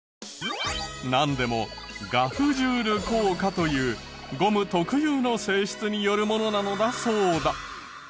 なんでもガフ・ジュール効果というゴム特有の性質によるものなのだそうだ。